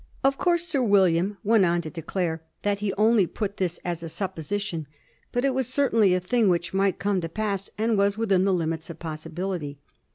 Of course Sir William went on to declare that he only put this as a supposition, but it was certainly a thing which might come to pass, and was within the limits of possi bility.